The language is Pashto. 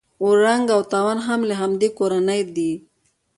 اورنګ اوتان هم له همدې کورنۍ دي.